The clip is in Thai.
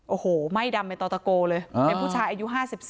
โอ้โหไหม้ดำเป็นต่อตะโกเลยเป็นผู้ชายอายุ๕๔